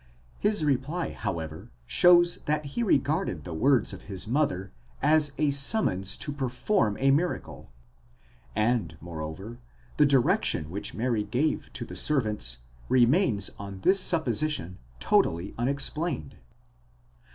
his reply however shows that he regarded the words of his mother as a summons to perform a miracle, and moreover the direction wes heat gave to the servants remains on this supposition totally unex plained.